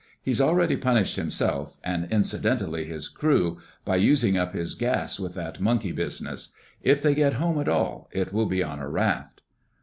He's already punished himself, and incidentally his crew, by using up his gas with that monkey business. If they get home at all it will be on a raft."